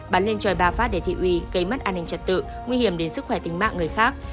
bắn lên trời ba phát để thị uy gây mất an ninh trật tự nguy hiểm đến sức khỏe tính mạng người khác